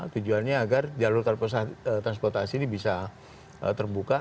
tujuannya agar jalur transportasi ini bisa terbuka